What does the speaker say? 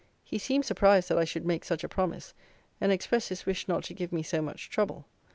He seemed surprised that I should make such a promise, and expressed his wish not to give me so much trouble.